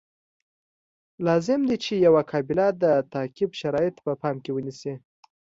لازم دي چې یوه قابله د تعقیم شرایط په پام کې ونیسي.